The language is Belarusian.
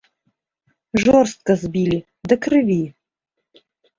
Жорстка збілі, да крыві.